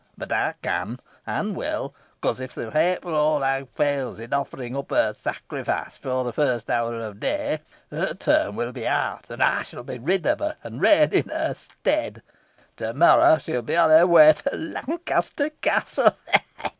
But I can, and will; because if the hateful old hag fails in offering up her sacrifice before the first hour of day, her term will be out, and I shall be rid of her, and reign in her stead. To morrow she will be on her way to Lancaster Castle.